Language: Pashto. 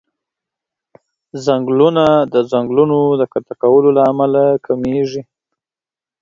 ځنګلونه د ځنګلونو د قطع کولو له امله کميږي.